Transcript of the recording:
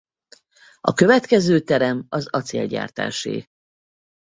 A következő terem az acélgyártásé.